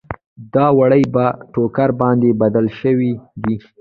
دا وړۍ په ټوکر باندې بدلې شوې دي.